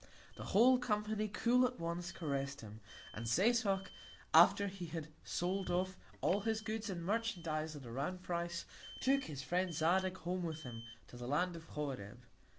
The whole Company, cool at once, caress'd him; and Setoc, after he had sold off all his Goods and Merchandize at a round Price, took his Friend Zadig Home with him to the Land of Horeb.